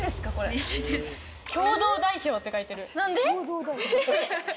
「共同代表」って書いてる。